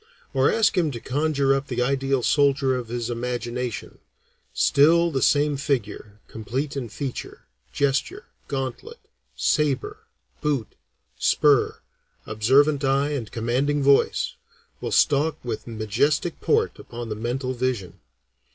Or ask him to conjure up the ideal soldier of his imagination, still the same figure, complete in feature, gesture, gauntlet, saber, boot, spur, observant eye and commanding voice, will stalk with majestic port upon the mental vision.